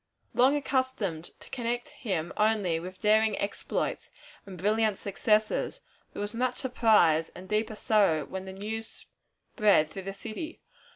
Long accustomed to connect him only with daring exploits and brilliant successes, there was much surprise and deeper sorrow when the news spread through the city.